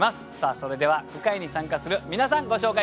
それでは句会に参加する皆さんご紹介しましょう。